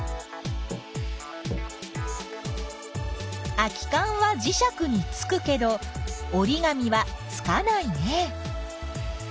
空きかんはじしゃくにつくけどおりがみはつかないね。